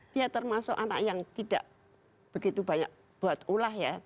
dia termasuk anak yang tidak begitu banyak buat ulah ya